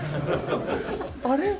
あれ？